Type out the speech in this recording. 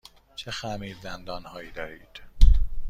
چه خمیردندان هایی دارید؟